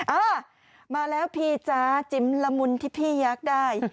อ่ามาแล้วพี่จ๊ะจิ๋มละมุนที่พี่อยากได้